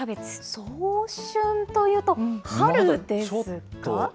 早春というと、春ですか？